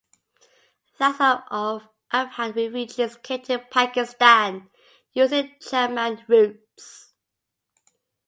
Thousand of Afghan Refugees came to Pakistan, using Chaman routes.